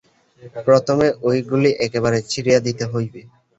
প্রথমে এইগুলি একেবারে ছাড়িয়া দিতে হইবে।